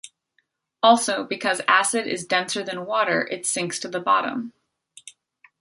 Also, because acid is denser than water, it sinks to the bottom.